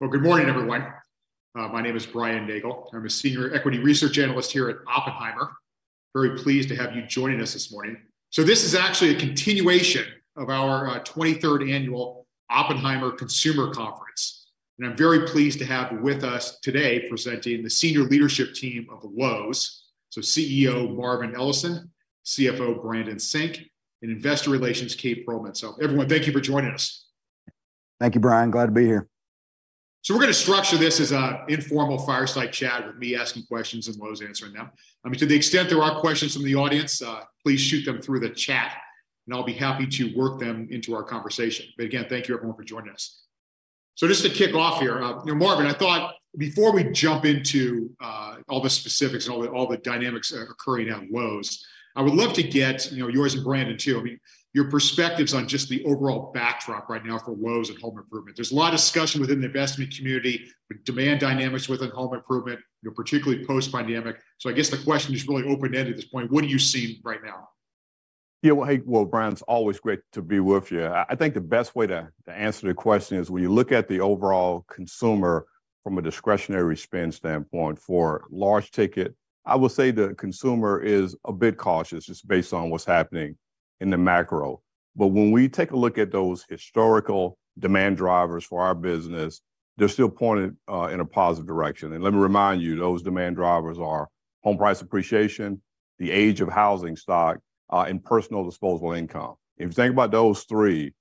Well, good morning, everyone. My name is Brian Nagel, and I'm a senior equity research analyst here at Oppenheimer. Very pleased to have you joining us this morning. This is actually a continuation of our 23rd annual Oppenheimer Consumer Conference, and I'm very pleased to have with us today, presenting, the senior leadership team of Lowe's. CEO, Marvin Ellison, CFO, Brandon Sink, and Investor Relations, Kate Pearlman-Cohen. Everyone, thank you for joining us. Thank you, Brian. Glad to be here. We're gonna structure this as a informal fireside chat with me asking questions and Lowe's answering them. I mean, to the extent there are questions from the audience, please shoot them through the chat, and I'll be happy to work them into our conversation. Again, thank you, everyone, for joining us. Just to kick off here, you know, Marvin, I thought before we jump into all the specifics and all the dynamics occurring at Lowe's, I would love to get, you know, yours and Brandon, too, I mean, your perspectives on just the overall backdrop right now for Lowe's and home improvement. There's a lot of discussion within the investment community, the demand dynamics within home improvement, you know, particularly post-pandemic. I guess the question is really open-ended at this point: What are you seeing right now? Yeah, well, hey, well, Brian, it's always great to be with you. I think the best way to answer the question is, when you look at the overall consumer from a discretionary spend standpoint for large ticket, I would say the consumer is a bit cautious just based on what's happening in the macro. When we take a look at those historical demand drivers for our business, they're still pointed in a positive direction. Let me remind you, those demand drivers are home price appreciation, the age of housing stock, and personal disposable income. If you think about those three,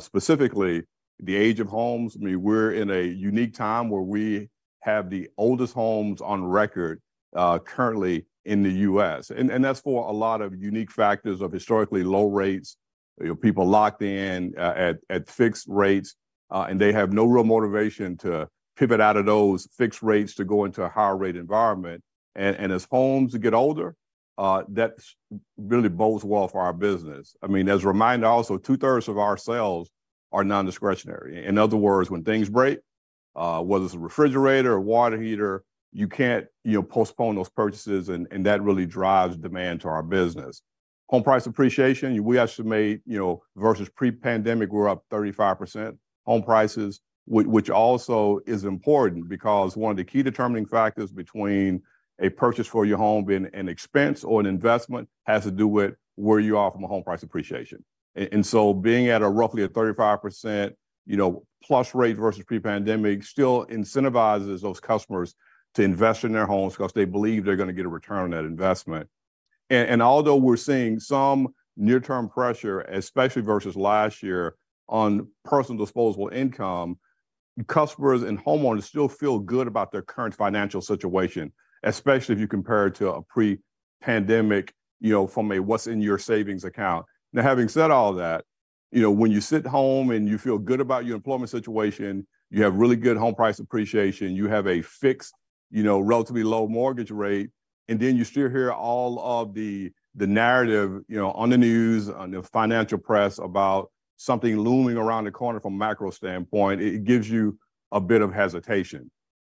specifically the age of homes, I mean, we're in a unique time where we have the oldest homes on record currently in the U.S. That's for a lot of unique factors of historically low rates. You know, people locked in at fixed rates, they have no real motivation to pivot out of those fixed rates to go into a higher rate environment. As homes get older, that really bodes well for our business. I mean, as a reminder, also, two-thirds of our sales are non-discretionary. In other words, when things break, whether it's a refrigerator or water heater, you can't, you know, postpone those purchases, and that really drives demand to our business. Home price appreciation, we estimate, you know, versus pre-pandemic, we're up 35% home prices, which also is important because one of the key determining factors between a purchase for your home being an expense or an investment has to do with where you are from a home price appreciation. Being at a roughly a 35%, you know, plus rate versus pre-pandemic still incentivizes those customers to invest in their homes 'cause they believe they're gonna get a return on that investment. Although we're seeing some near-term pressure, especially versus last year, on personal disposable income, customers and homeowners still feel good about their current financial situation, especially if you compare it to a pre-pandemic, you know, from a what's in your savings account. having said all that, you know, when you sit home, and you feel good about your employment situation, you have really good home price appreciation, you have a fixed, you know, relatively low mortgage rate, and then you still hear all of the narrative, you know, on the news, on the financial press, about something looming around the corner from a macro standpoint, it gives you a bit of hesitation.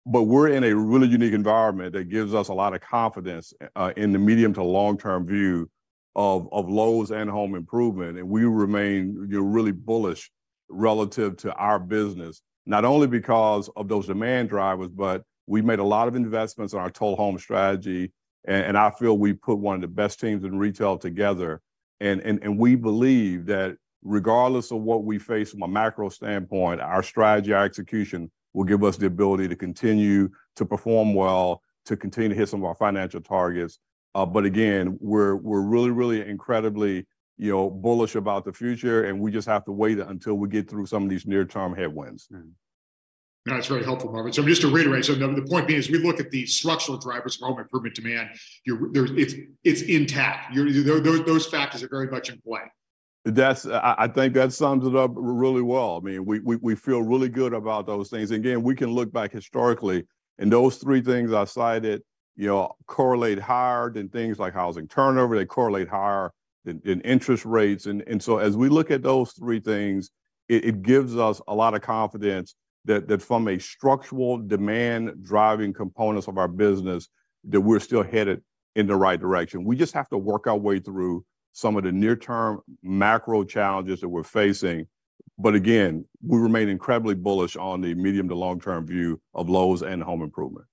We're in a really unique environment that gives us a lot of confidence in the medium to long-term view of Lowe's and home improvement, and we remain, you know, really bullish relative to our business. Not only because of those demand drivers, but we've made a lot of investments in our Total Home Strategy, and I feel we've put one of the best teams in retail together. We believe that regardless of what we face from a macro standpoint, our strategy, our execution will give us the ability to continue to perform well, to continue to hit some of our financial targets. Again, we're really incredibly, you know, bullish about the future, and we just have to wait until we get through some of these near-term headwinds. Yeah, that's very helpful, Marvin. Just to reiterate, the point being is, we look at the structural drivers of home improvement demand, it's intact. Those factors are very much in play. That's, I think that sums it up really well. I mean, we feel really good about those things. Again, we can look back historically. Those three things I cited, you know, correlate higher than things like housing turnover. They correlate higher than interest rates. As we look at those three things, it gives us a lot of confidence that from a structural demand driving components of our business, that we're still headed in the right direction. We just have to work our way through some of the near-term macro challenges that we're facing. Again, we remain incredibly bullish on the medium to long-term view of Lowe's and home improvement.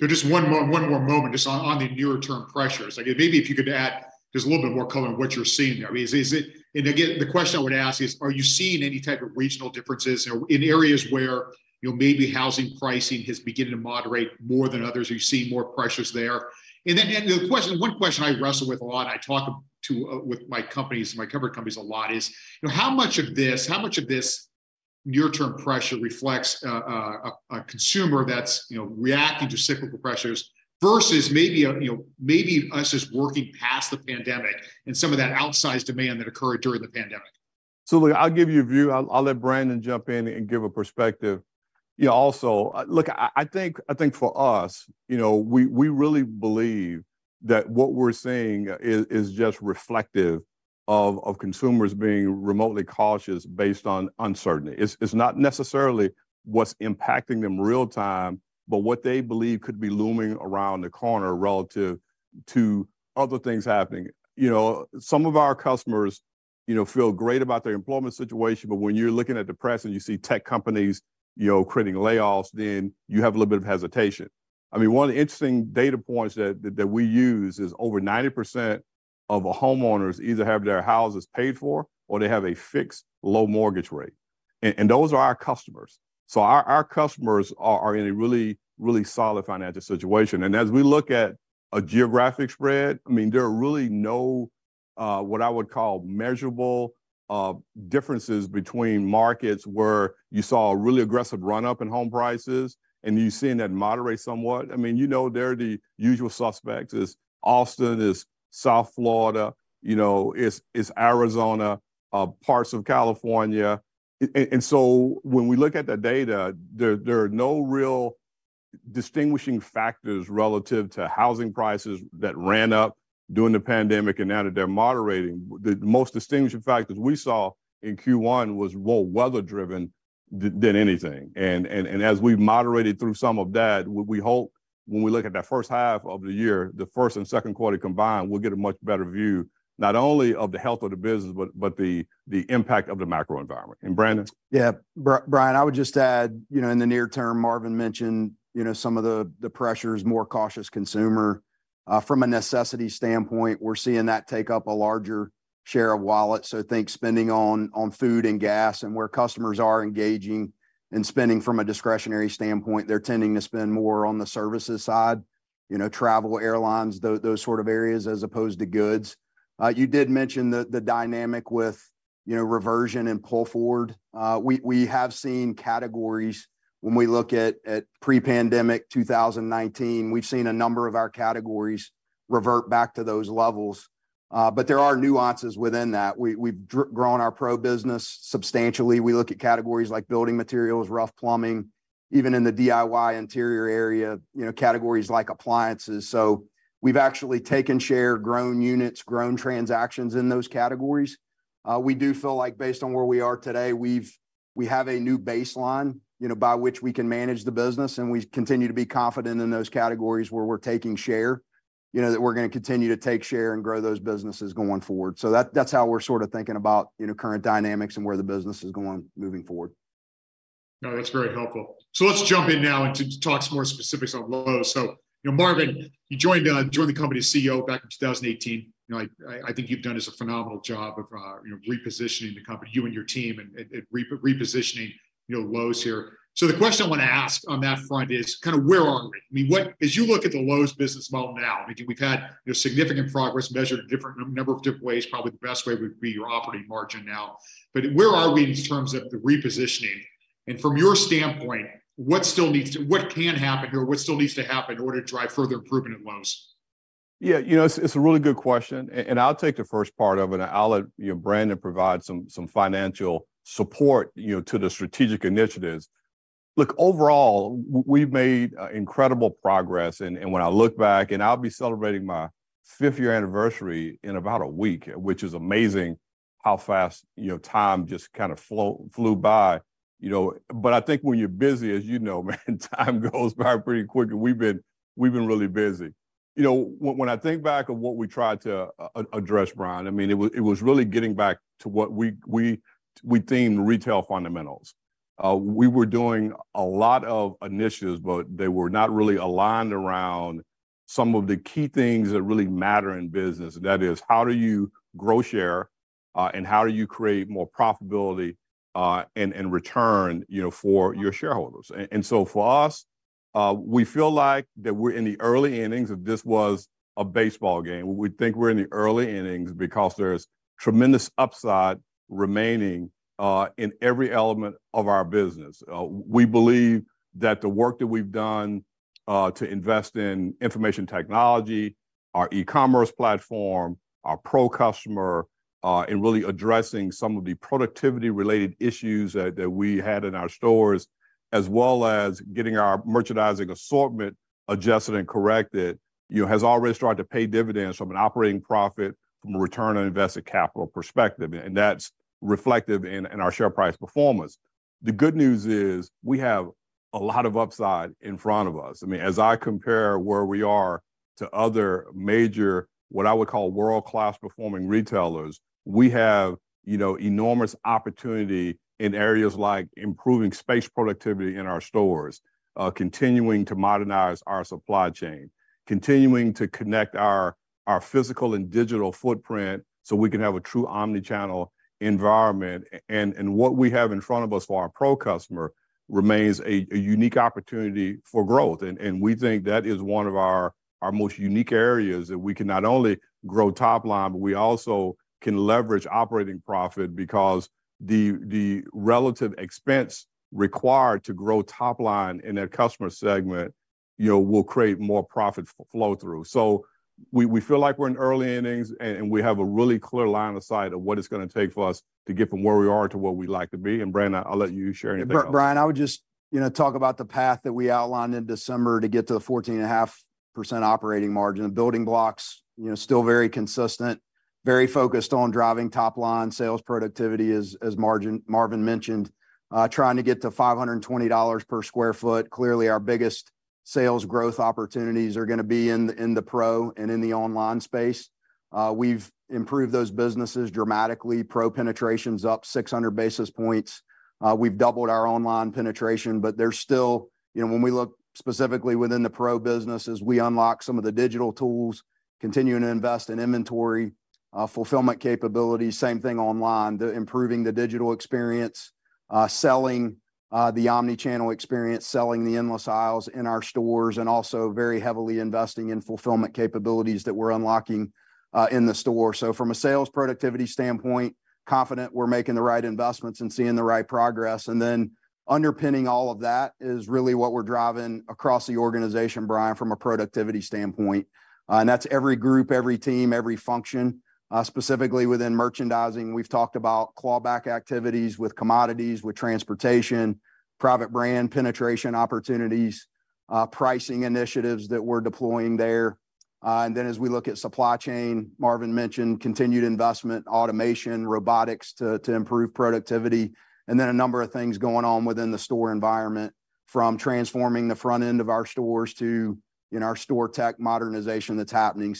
Just one more moment, just on the nearer term pressures. Like, maybe if you could add just a little bit more color on what you're seeing there. I mean, is it? Again, the question I would ask is, are you seeing any type of regional differences in areas where, you know, maybe housing pricing has begun to moderate more than others? Are you seeing more pressures there? Then, the question, one question I wrestle with a lot, and I talk with my companies, my cover companies a lot, is, you know, how much of this near-term pressure reflects a consumer that's, you know, reacting to cyclical pressures versus maybe a, you know, maybe us just working past the pandemic and some of that outsized demand that occurred during the pandemic? I'll give you a view. I'll let Brandon jump in and give a perspective. Also, I think for us, you know, we really believe that what we're seeing is just reflective of consumers being remotely cautious based on uncertainty. It's not necessarily what's impacting them real time, but what they believe could be looming around the corner relative to other things happening. You know, some of our customers, you know, feel great about their employment situation, but when you're looking at the press and you see tech companies, you know, creating layoffs, then you have a little bit of hesitation. I mean, one interesting data points that we use is over 90% of our homeowners either have their houses paid for or they have a fixed low mortgage rate, and those are our customers. Our customers are in a really, really solid financial situation. As we look at a geographic spread, I mean, there are really no what I would call measurable differences between markets, where you saw a really aggressive run-up in home prices and you're seeing that moderate somewhat. I mean, you know, they're the usual suspects. It's Austin, it's South Florida, you know, it's Arizona, parts of California. When we look at the data, there are no real distinguishing factors relative to housing prices that ran up during the pandemic and now that they're moderating. The most distinguishing factors we saw in Q1 was more weather-driven than anything. As we've moderated through some of that, we hope when we look at H1, the Q1 and Q3 combined, we'll get a much better view, not only of the health of the business, but the impact of the macro environment. Brandon? Yeah, Brian, I would just add, you know, in the near term, Marvin mentioned, you know, some of the pressures, more cautious consumer. From a necessity standpoint, we're seeing that take up a larger share of wallet. So think spending on food and gas and where customers are engaging and spending from a discretionary standpoint, they're tending to spend more on the services side, you know, travel, airlines, those sort of areas, as opposed to goods. You did mention the dynamic with, you know, reversion and pull forward. We have seen categories when we look at pre-pandemic 2019, we've seen a number of our categories revert back to those levels. There are nuances within that. We've grown our Pro business substantially. We look at categories like building materials, rough plumbing, even in the DIY interior area, you know, categories like appliances. We've actually taken share, grown units, grown transactions in those categories. We do feel like based on where we are today, we have a new baseline, you know, by which we can manage the business, and we continue to be confident in those categories where we're taking share. You know, that we're going to continue to take share and grow those businesses going forward. That, that's how we're sort of thinking about, you know, current dynamics and where the business is going moving forward. No, that's very helpful. Let's jump in now and to talk some more specifics on Lowe's. You know, Marvin, you joined the company as CEO back in 2018. You know, I think you've done just a phenomenal job of, you know, repositioning the company, you and your team, and repositioning, you know, Lowe's here. The question I want to ask on that front is kind of where are we? I mean, as you look at the Lowe's business model now, I think we've had, you know, significant progress measured in different number of different ways. Probably the best way would be your operating margin now, but where are we in terms of the repositioning? From your standpoint, what still needs to... What can happen or what still needs to happen in order to drive further improvement at Lowe's? You know, it's a really good question, and I'll take the first part of it, and I'll let, you know, Brandon provide some financial support, you know, to the strategic initiatives. Look, overall, we've made incredible progress, and when I look back, and I'll be celebrating my fifth-year anniversary in about a week, which is amazing how fast, you know, time just kind of flew by, you know? I think when you're busy, as you know, man, time goes by pretty quick, and we've been, we've been really busy. You know, when I think back on what we tried to address, Brian, I mean, it was really getting back to what we themed retail fundamentals. We were doing a lot of initiatives, but they were not really aligned around some of the key things that really matter in business, and that is: How do you grow share, and how do you create more profitability, and return, you know, for your shareholders? For us, we feel like that we're in the early innings of this was a baseball game. We think we're in the early innings because there's tremendous upside remaining, in every element of our business. We believe that the work that we've done, to invest in information technology, our e-commerce platform, our Pro customer, and really addressing some of the productivity-related issues that we had in our stores, as well as getting our merchandising assortment adjusted and corrected, you know, has already started to pay dividends from an operating profit, from a return on invested capital perspective, and that's reflective in our share price performance. The good news is we have a lot of upside in front of us. I mean, as I compare where we are to other major, what I would call world-class performing retailers, we have, you know, enormous opportunity in areas like improving space productivity in our stores, continuing to modernize our supply chain, continuing to connect our physical and digital footprint so we can have a true omnichannel environment. What we have in front of us for our Pro customer remains a unique opportunity for growth, and we think that is one of our most unique areas, that we can not only grow top line, but we also can leverage operating profit because the relative expense required to grow top line in that customer segment, you know, will create more profit flow through. We feel like we're in early innings, and we have a really clear line of sight of what it's going to take for us to get from where we are to where we'd like to be. Brandon, I'll let you share anything- Brian, I would just, you know, talk about the path that we outlined in December to get to the 14.5% operating margin. The building blocks, you know, still very consistent, very focused on driving top line sales productivity, as Marvin mentioned, trying to get to $520 per square foot. Clearly, our sales growth opportunities are going to be in the, in the Pro and in the online space. We've improved those businesses dramatically. Pro penetration's up 600 basis points. We've doubled our online penetration, but there's still, you know, when we look specifically within the Pro businesses, we unlock some of the digital tools, continuing to invest in inventory, fulfillment capabilities. Same thing online, the improving the digital experience, selling the omnichannel experience, selling the endless aisle in our stores, and also very heavily investing in fulfillment capabilities that we're unlocking in the store. From a sales productivity standpoint, confident we're making the right investments and seeing the right progress. Underpinning all of that is really what we're driving across the organization, Brian, from a productivity standpoint, and that's every group, every team, every function. Specifically within merchandising, we've talked about clawback activities with commodities, with transportation, private brand penetration opportunities, pricing initiatives that we're deploying there. As we look at supply chain, Marvin mentioned continued investment, automation, robotics, to improve productivity, and then a number of things going on within the store environment, from transforming the front end of our stores to, you know, our store tech modernization that's happening.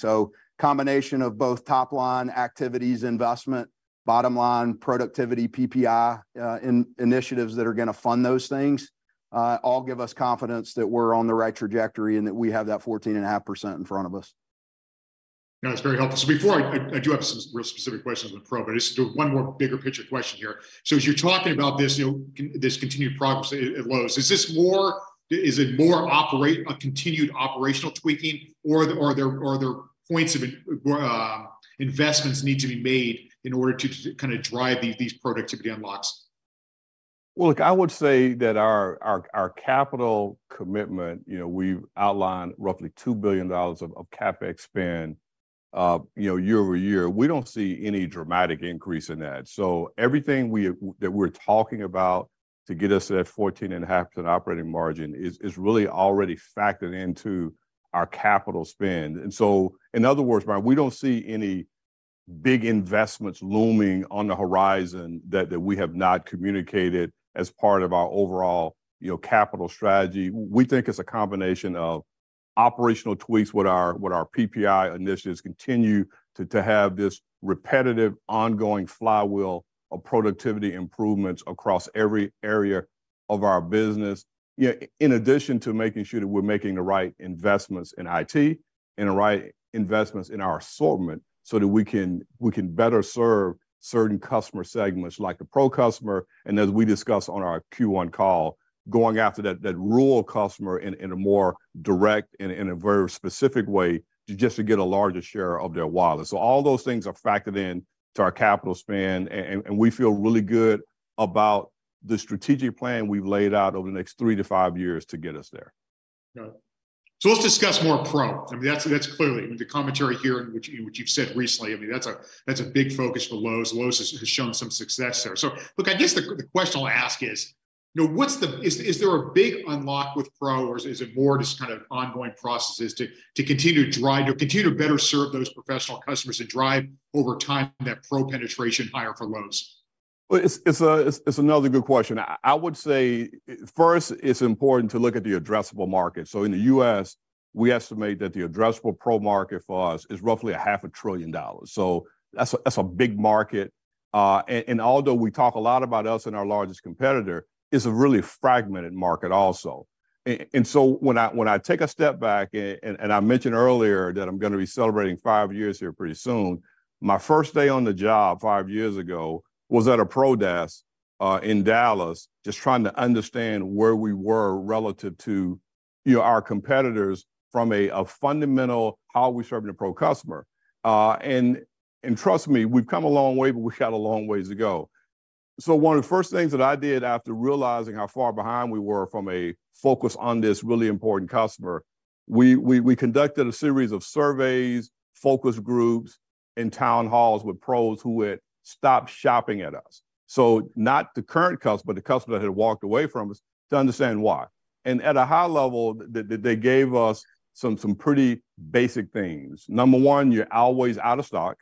Combination of both top-line activities, investment, bottom-line productivity, PPI, initiatives that are going to fund those things, all give us confidence that we're on the right trajectory and that we have that 14.5% in front of us. That's very helpful. Before, I do have some real specific questions on the Pro, but just one more bigger picture question here. As you're talking about this, you know, this continued progress at Lowe's, is it more a continued operational tweaking or, are there points of investments need to be made in order to kind of drive these productivity unlocks? Look, I would say that our capital commitment, you know, we've outlined roughly $2 billion of CapEx spend, you know, year-over-year. We don't see any dramatic increase in that. Everything that we're talking about to get us to that 14.5% operating margin is really already factored into our capital spend. In other words, Brian, we don't see any big investments looming on the horizon that we have not communicated as part of our overall, you know, capital strategy. We think it's a combination of operational tweaks with our PPI initiatives, continue to have this repetitive, ongoing flywheel of productivity improvements across every area of our business. In addition to making sure that we're making the right investments in IT and the right investments in our assortment, so that we can better serve certain customer segments, like the Pro customer, and as we discussed on our Q1 call, going after that rural customer in a more direct and in a very specific way, just to get a larger share of their wallet. All those things are factored into our capital spend, and we feel really good about the strategic plan we've laid out over the next three to five years to get us there. Got it. Let's discuss more Pro. I mean, that's clearly with the commentary here in which you've said recently, I mean, that's a big focus for Lowe's. Lowe's has shown some success there. Look, I guess the question I'll ask is, you know, what's the is there a big unlock with Pro, or is it more just kind of ongoing processes to continue to drive, to better serve those professional customers and drive over time, that Pro penetration higher for Lowe's? It's another good question. I would say, first, it's important to look at the addressable market. In the U.S., we estimate that the addressable Pro market for us is roughly a half a trillion dollars. That's a big market. Although we talk a lot about us and our largest competitor, it's a really fragmented market also. When I take a step back, and I mentioned earlier that I'm going to be celebrating five years here pretty soon. My first day on the job, five years ago, was at a Pro Desk in Dallas, just trying to understand where we were relative to, you know, our competitors from a fundamental, how are we serving the Pro customer? Trust me, we've come a long way, but we've got a long ways to go. One of the first things that I did after realizing how far behind we were from a focus on this really important customer, we conducted a series of surveys, focus groups, and town halls with Pros who had stopped shopping at us. Not the current customer, but the customer that had walked away from us to understand why. At a high level, they gave us some pretty basic things. Number one, you're always out of stock.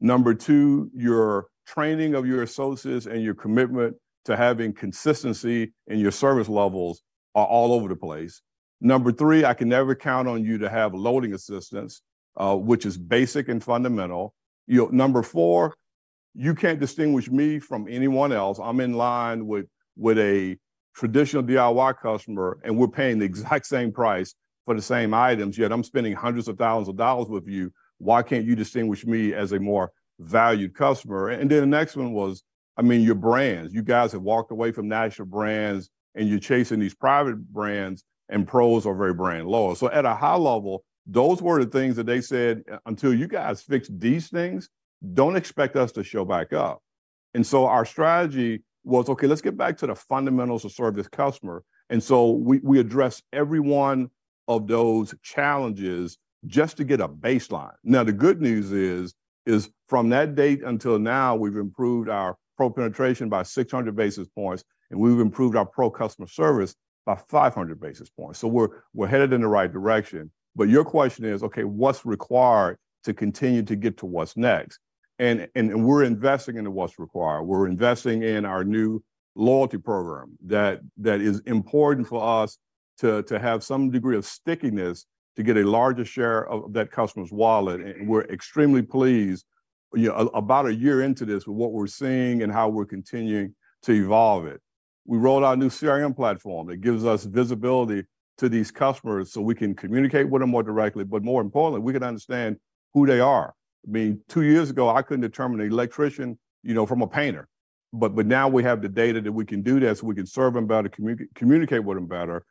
Number two, your training of your associates and your commitment to having consistency in your service levels are all over the place. Number three, I can never count on you to have loading assistance, which is basic and fundamental. You know, number four, you can't distinguish me from anyone else. I'm in line with a traditional DIY customer, and we're paying the exact same price for the same items, yet I'm spending hundreds of thousands of dollars with you. Why can't you distinguish me as a more valued customer? The next one was, I mean, your brands. You guys have walked away from national brands, and you're chasing these private brands, and Pros are very brand loyal. At a high level, those were the things that they said, "Until you guys fix these things, don't expect us to show back up." Our strategy was, okay, let's get back to the fundamentals to serve this customer. We addressed every one of those challenges just to get a baseline. The good news is from that date until now, we've improved our Pro penetration by 600 basis points, and we've improved our Pro customer service by 500 basis points. We're headed in the right direction. Your question is, okay, what's required to continue to get to what's next? We're investing into what's required. We're investing in our new loyalty program, that is important for us to have some degree of stickiness to get a larger share of that customer's wallet, and we're extremely pleased. You know, about a year into this, with what we're seeing and how we're continuing to evolve it. We rolled out a new CRM platform that gives us visibility to these customers, so we can communicate with them more directly, but more importantly, we can understand who they are. I mean, two years ago, I couldn't determine an electrician, you know, from a painter, but now we have the data that we can do that, we can serve them better, communicate with them better.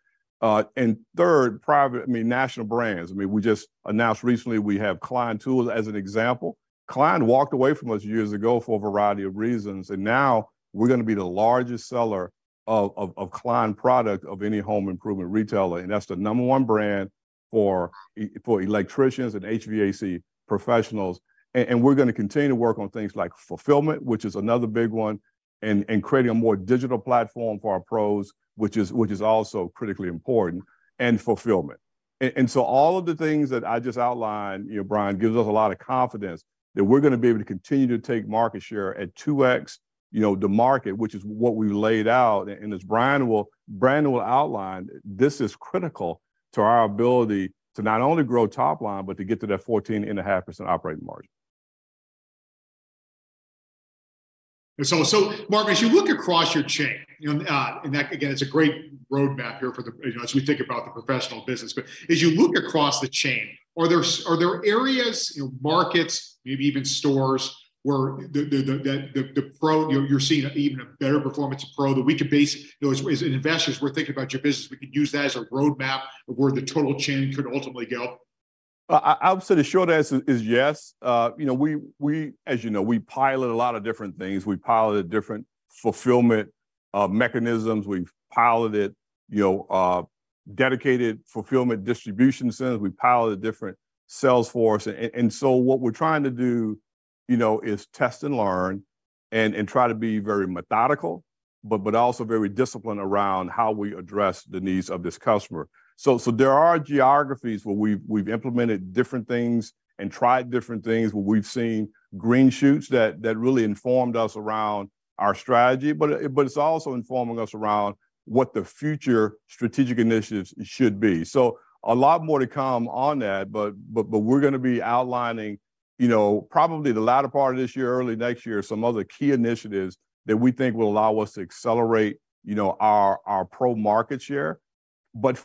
Third, private, I mean, national brands, I mean, we just announced recently we have Klein Tools as an example. Klein walked away from us years ago for a variety of reasons, now we're gonna be the largest seller of Klein product of any home improvement retailer, that's the number one brand for electricians and HVAC professionals. We're gonna continue to work on things like fulfillment, which is another big one, and creating a more digital platform for our pros, which is also critically important in fulfillment. All of the things that I just outlined, you know, Brian, gives us a lot of confidence that we're gonna be able to continue to take market share at 2x, you know, the market, which is what we've laid out. As Brian will outline, this is critical to our ability to not only grow top line, but to get to that 14.5% operating margin. Marvin, as you look across your chain, you know, and that, again, it's a great roadmap here for the, you know, as we think about the professional business. But as you look across the chain, are there areas, you know, markets, maybe even stores, where the Pro you're seeing an even a better performance in Pro that we could base, you know, as investors, we're thinking about your business, we could use that as a roadmap of where the total chain could ultimately go? Well, I would say the short answer is yes. you know, We, as you know, we pilot a lot of different things. We piloted different fulfillment mechanisms. We've piloted, you know, dedicated fulfillment distribution centers. We piloted different sales force. What we're trying to do, you know, is test and learn, and try to be very methodical, but also very disciplined around how we address the needs of this customer. There are geographies where we've implemented different things and tried different things, where we've seen green shoots that really informed us around our strategy. It's also informing us around what the future strategic initiatives should be. A lot more to come on that, but we're gonna be outlining, you know, probably the latter part of this year, early next year, some other key initiatives that we think will allow us to accelerate, you know, our Pro market share.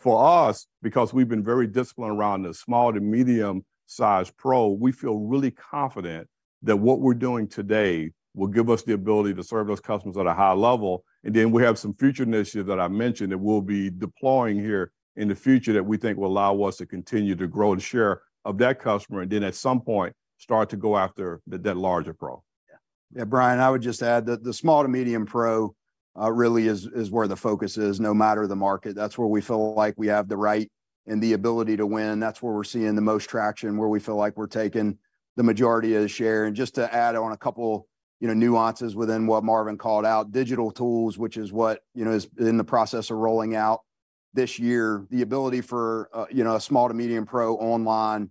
For us, because we've been very disciplined around the small to medium-sized Pro, we feel really confident that what we're doing today will give us the ability to serve those customers at a high level. Then we have some future initiatives that I mentioned, that we'll be deploying here in the future that we think will allow us to continue to grow the share of that customer, and then at some point, start to go after that larger Pro. Yeah. Brian, I would just add that the small to medium Pro really is where the focus is, no matter the market. That's where we feel like we have the right and the ability to win. That's where we're seeing the most traction, where we feel like we're taking the majority of the share. Just to add on a couple, you know, nuances within what Marvin called out, digital tools, which is what, you know, is in the process of rolling out this year. The ability for, you know, a small to medium Pro online,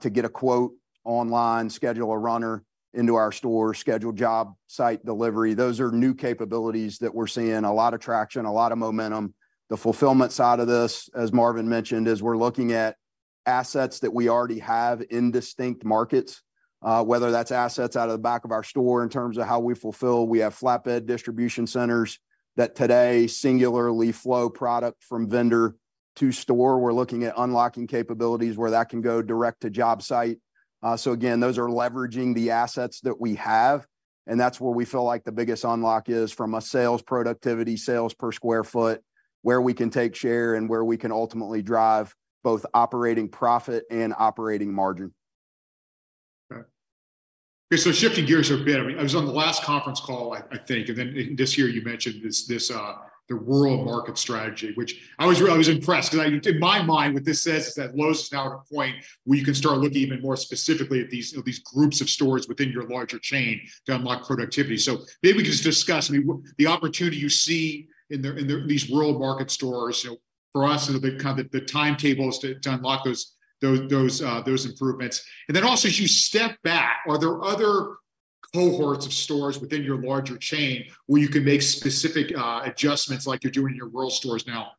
to get a quote online, schedule a runner into our store, schedule job, site delivery, those are new capabilities that we're seeing a lot of traction, a lot of momentum. The fulfillment side of this, as Marvin mentioned, is we're looking at assets that we already have in distinct markets, whether that's assets out of the back of our store in terms of how we fulfill. We have flatbed distribution centers that today singularly flow product from vendor to store. We're looking at unlocking capabilities where that can go direct to job site. Again, those are leveraging the assets that we have, and that's where we feel like the biggest unlock is from a sales productivity, sales per square foot, where we can take share and where we can ultimately drive both operating profit and operating margin. Okay. Okay, shifting gears a bit, I mean, I was on the last conference call, I think, in this year you mentioned this, the rural market strategy, which I was impressed because in my mind, what this says is that Lowe's is now at a point- Mm... where you can start looking even more specifically at these groups of stores within your larger chain to unlock productivity. Maybe we can just discuss, I mean, the opportunity you see in the these rural market stores. For us, kind of the timetables to unlock those improvements. Also, as you step back, are there other cohorts of stores within your larger chain where you can make specific adjustments like you're doing in your rural stores now?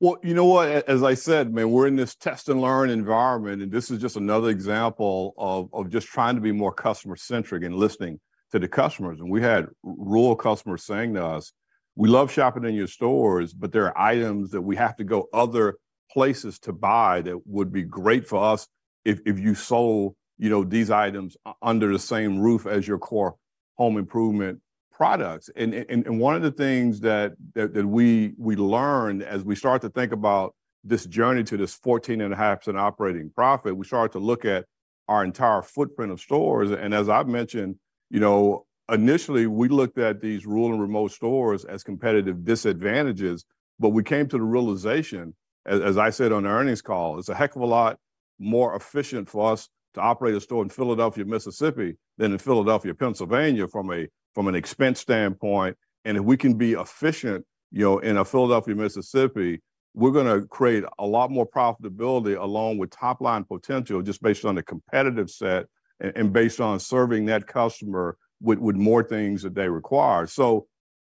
Well, you know what? As I said, man, we're in this test and learn environment, this is just another example of just trying to be more customer-centric and listening to the customers. We had rural customers saying to us, "We love shopping in your stores, but there are items that we have to go other places to buy, that would be great for us if you sold, you know, these items under the same roof as your core home improvement products." One of the things that we learned as we start to think about this journey to this 14.5% operating profit, we started to look at our entire footprint of stores. As I've mentioned, you know, initially, we looked at these rural and remote stores as competitive disadvantages. We came to the realization, as I said on the earnings call, it's a heck of a lot more efficient for us to operate a store in Philadelphia, Mississippi, than in Philadelphia, Pennsylvania, from an expense standpoint. If we can be efficient, you know, in a Philadelphia, Mississippi, we're gonna create a lot more profitability, along with top-line potential, just based on the competitive set and based on serving that customer with more things that they require.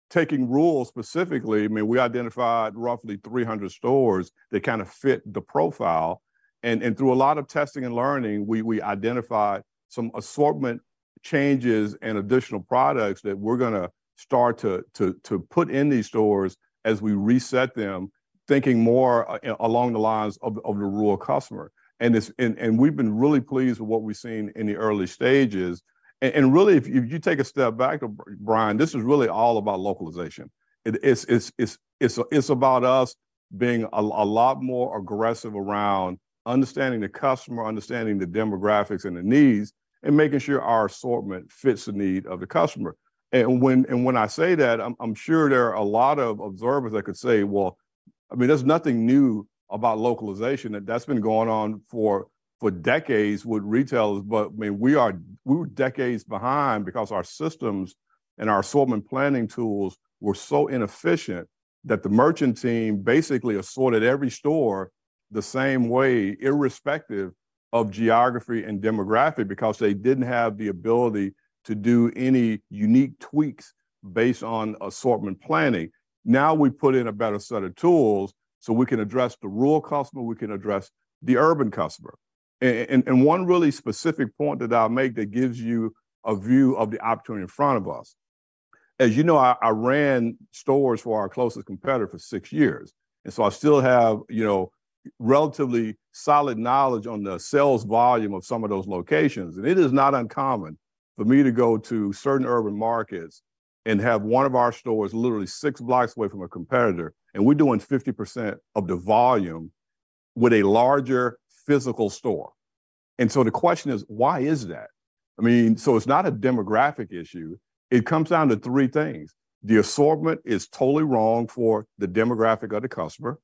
Taking rural specifically, I mean, we identified roughly 300 stores that kind of fit the profile, and through a lot of testing and learning, we identified some assortment changes and additional products that we're gonna start to put in these stores as we reset them, thinking more along the lines of the rural customer. We've been really pleased with what we've seen in the early stages. Really, if you take a step back, Brian, this is really all about localization. It's about us being a lot more aggressive around understanding the customer, understanding the demographics and the needs, and making sure our assortment fits the need of the customer. When I say that, I'm sure there are a lot of observers that could say, "Well, I mean, there's nothing new about localization, that's been going on for decades with retailers." I mean, we were decades behind because our systems and our assortment planning tools were so inefficient that the merchant team basically assorted every store the same way, irrespective of geography and demographic, because they didn't have the ability to do any unique tweaks based on assortment planning. We've put in a better set of tools so we can address the rural customer, we can address the urban customer. One really specific point that I'll make that gives you a view of the opportunity in front of us: as you know, I ran stores for our closest competitor for six years, and so I still have, you know, relatively solid knowledge on the sales volume of some of those locations. It is not uncommon for me to go to certain urban markets and have one of our stores literally six blocks away from a competitor, and we're doing 50% of the volume with a larger physical store. The question is, why is that? I mean, so it's not a demographic issue. It comes down to three things: the assortment is totally wrong for the demographic of the customer,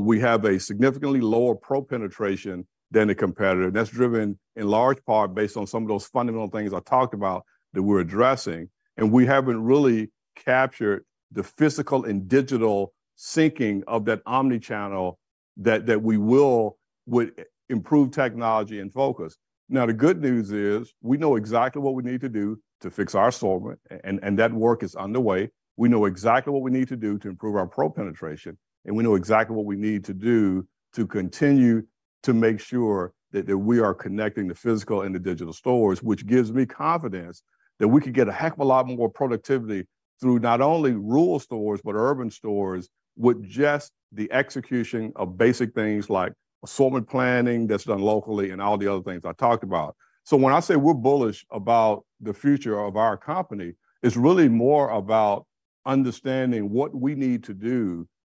we have a significantly lower Pro penetration than the competitor, and that's driven in large part based on some of those fundamental things I talked about that we're addressing, and we haven't really captured the physical and digital syncing of that omnichannel that we will with improve technology and focus. The good news is we know exactly what we need to do to fix our assortment. That work is underway. We know exactly what we need to do to improve our Pro penetration, we know exactly what we need to do to continue to make sure that we are connecting the physical and the digital stores, which gives me confidence that we could get a heck of a lot more productivity through not only rural stores, but urban stores, with just the execution of basic things like assortment planning that's done locally, and all the other things I talked about. When I say we're bullish about the future of our company, it's really more about understanding what we need to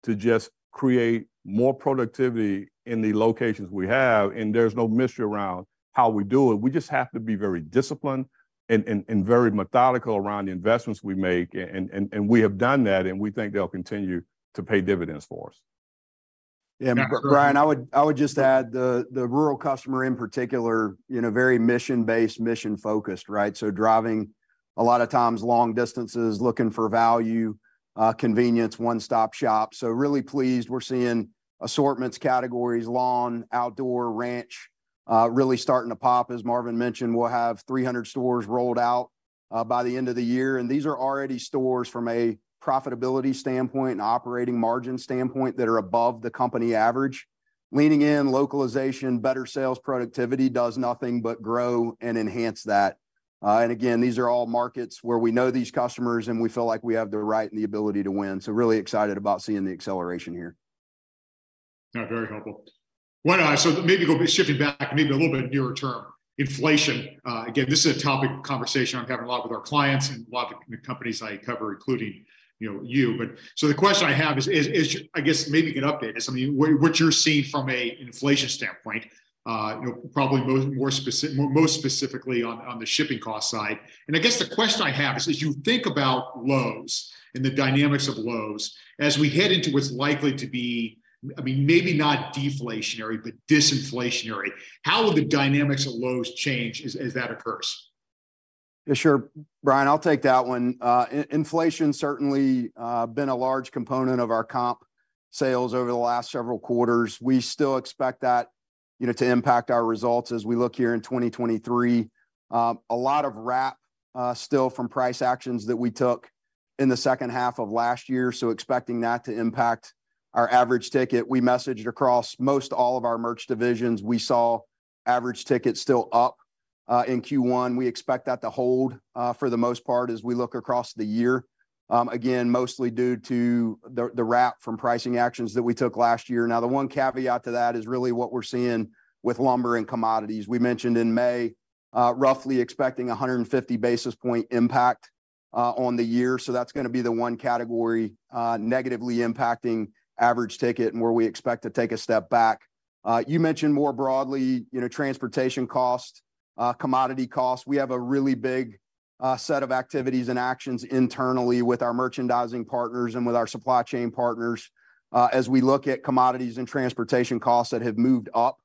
do to just create more productivity in the locations we have, and there's no mystery around how we do it. We just have to be very disciplined and very methodical around the investments we make. We have done that, and we think they'll continue to pay dividends for us. Yeah, Brian, I would just add, the rural customer in particular, you know, very mission-based, mission-focused, right? Driving a lot of times long distances, looking for value, convenience, one-stop shop. Really pleased. We're seeing assortments, categories, lawn, outdoor, ranch, really starting to pop. As Marvin mentioned, we'll have 300 stores rolled out by the end of the year, and these are already stores from a profitability standpoint and operating margin standpoint that are above the company average. Leaning in, localization, better sales, productivity does nothing but grow and enhance that. Again, these are all markets where we know these customers, and we feel like we have the right and the ability to win. Really excited about seeing the acceleration here. Yeah, very helpful. Maybe shifting back maybe a little bit nearer term. Inflation, again, this is a topic of conversation I'm having a lot with our clients and a lot of the companies I cover, including, you know, you. The question I have is, I guess maybe an update, is, I mean, what you're seeing from a inflation standpoint, you know, probably more most specifically on the shipping cost side. I guess the question I have is, as you think about Lowe's and the dynamics of Lowe's, as we head into what's likely to be, I mean, maybe not deflationary but disinflationary, how will the dynamics at Lowe's change as that occurs? Yeah, sure. Brian, I'll take that one. inflation certainly been a large component of our comp sales over the last several quarters. We still expect that, you know, to impact our results as we look here in 2023. A lot of wrap still from price actions that we took in H2 last year, so expecting that to impact our average ticket. We messaged across most all of our merch divisions. We saw average tickets still up in Q1. We expect that to hold for the most part, as we look across the year, again, mostly due to the wrap from pricing actions that we took last year. The one caveat to that is really what we're seeing with lumber and commodities. We mentioned in May, roughly expecting 150 basis point impact on the year, so that's gonna be the one category, negatively impacting average ticket and where we expect to take a step back. You mentioned more broadly, you know, transportation cost, commodity cost. We have a really big set of activities and actions internally with our merchandising partners and with our supply chain partners, as we look at commodities and transportation costs that have moved up.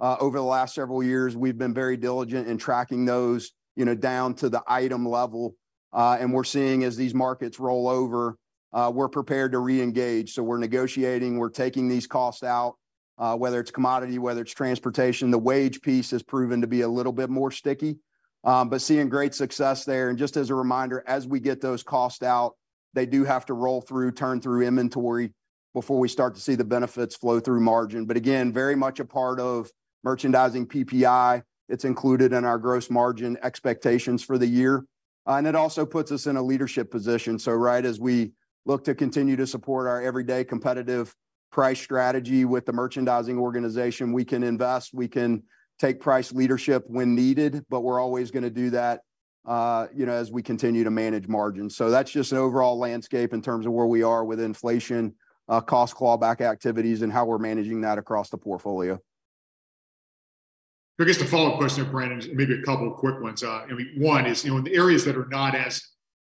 Over the last several years, we've been very diligent in tracking those, you know, down to the item level. We're seeing as these markets roll over, we're prepared to re-engage. We're negotiating, we're taking these costs out, whether it's commodity, whether it's transportation. The wage piece has proven to be a little bit more sticky, but seeing great success there. Just as a reminder, as we get those costs out, they do have to roll through, turn through inventory before we start to see the benefits flow through margin. Again, very much a part of merchandising PPI. It's included in our gross margin expectations for the year. It also puts us in a leadership position. Right, as we look to continue to support our everyday competitive price strategy with the merchandising organization, we can invest, we can take price leadership when needed, but we're always gonna do that, you know, as we continue to manage margins. That's just an overall landscape in terms of where we are with inflation, cost clawback activities, and how we're managing that across the portfolio. I guess the follow-up question, Brandon, maybe a couple of quick ones. I mean, one is, you know, in the areas that are not as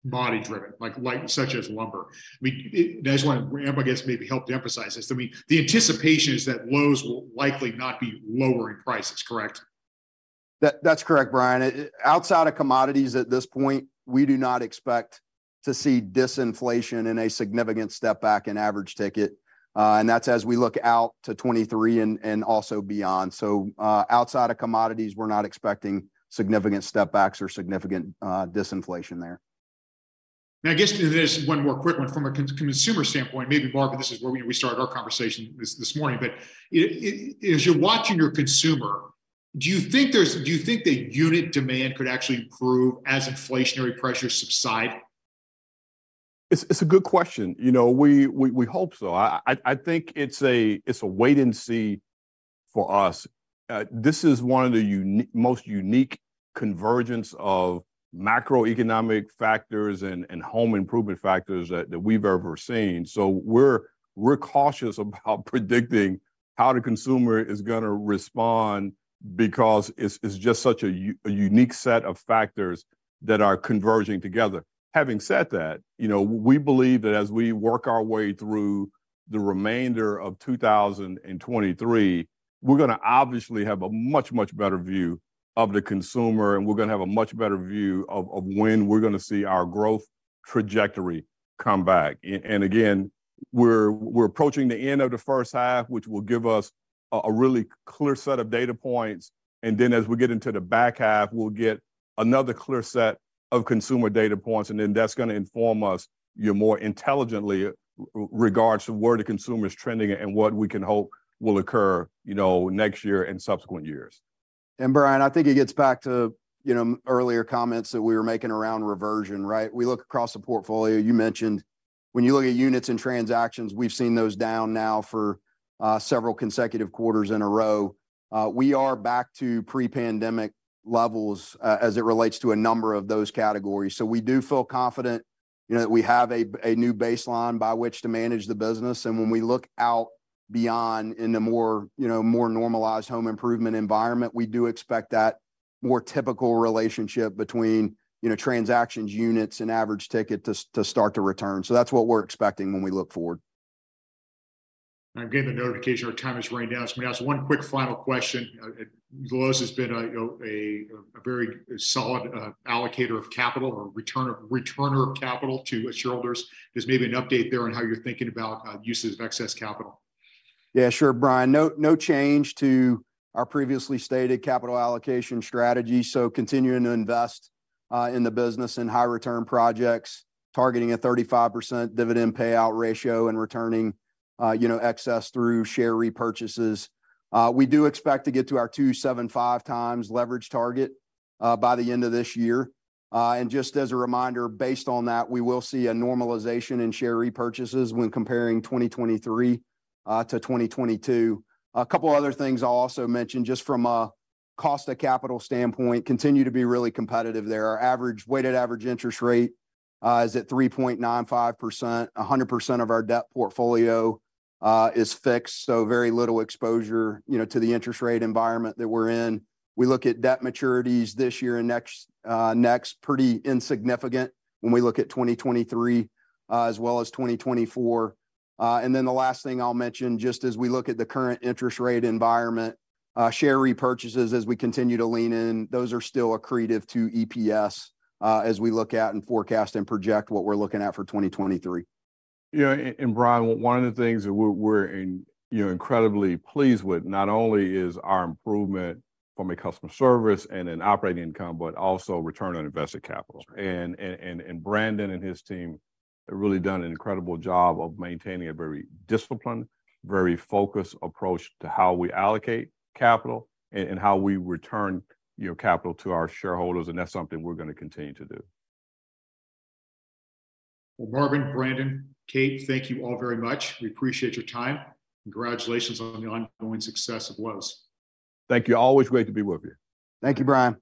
commodity driven, like such as lumber, I mean, I just want to, I guess maybe help to emphasize this. I mean, the anticipation is that Lowe's will likely not be lowering prices, correct? That's correct, Brian. Outside of commodities at this point, we do not expect to see disinflation and a significant step back in average ticket. That's as we look out to 2023 and also beyond. Outside of commodities, we're not expecting significant step backs or significant disinflation there. I guess there's one more quick one from a consumer standpoint. Maybe, Marvin, this is where we started our conversation this morning, but as you're watching your consumer, do you think the unit demand could actually improve as inflationary pressures subside? It's a good question. You know, we hope so. I think it's a wait and see for us. This is one of the most unique convergence of macroeconomic factors and home improvement factors that we've ever seen. We're cautious about predicting how the consumer is gonna respond, because it's just such a unique set of factors that are converging together. Having said that, you know, we believe that as we work our way through the remainder of 2023, we're gonna obviously have a much better view of the consumer, and we're gonna have a much better view of when we're gonna see our growth trajectory come back. Again, we're approaching the end of the first half, which will give us a really clear set of data points, and then as we get into the back half, we'll get another clear set of consumer data points, and then that's gonna inform us, you know, more intelligently regards to where the consumer is trending and what we can hope will occur, you know, next year and subsequent years. Brian, I think it gets back to, you know, earlier comments that we were making around reversion, right? We look across the portfolio. You mentioned when you look at units and transactions, we've seen those down now for several consecutive quarters in a row. We are back to pre-pandemic levels as it relates to a number of those categories. We do feel confident, you know, that we have a new baseline by which to manage the business. When we look out beyond in the more, you know, more normalized home improvement environment, we do expect that more typical relationship between, you know, transactions, units, and average ticket to start to return. That's what we're expecting when we look forward. I'm getting the notification our time is running down. Maybe I have one quick final question. Lowe's has been a, you know, a very solid allocator of capital or returner of capital to its shareholders. Just maybe an update there on how you're thinking about uses of excess capital. No change to our previously stated capital allocation strategy. Continuing to invest in the business in high return projects, targeting a 35% dividend payout ratio and returning, you know, excess through share repurchases. We do expect to get to our 2.75x leverage target by the end of this year. Just as a reminder, based on that, we will see a normalization in share repurchases when comparing 2023 to 2022. A couple other things I'll also mention, just from a cost of capital standpoint, continue to be really competitive there. Our weighted average interest rate is at 3.95%. 100% of our debt portfolio is fixed, so very little exposure, you know, to the interest rate environment that we're in. We look at debt maturities this year and next, pretty insignificant when we look at 2023, as well as 2024. The last thing I'll mention, just as we look at the current interest rate environment, share repurchases as we continue to lean in, those are still accretive to EPS, as we look at and forecast and project what we're looking at for 2023. Yeah, and Brian, one of the things that we're in, you know, incredibly pleased with, not only is our improvement from a customer service and an operating income, but also return on invested capital. Sure. Brandon and his team have really done an incredible job of maintaining a very disciplined, very focused approach to how we allocate capital and how we return, you know, capital to our shareholders. That's something we're gonna continue to do. Marvin, Brandon, Kate, thank you all very much. We appreciate your time. Congratulations on the ongoing success of Lowe's. Thank you. Always great to be with you. Thank you, Brian.